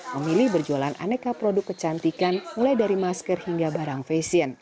memilih berjualan aneka produk kecantikan mulai dari masker hingga barang fashion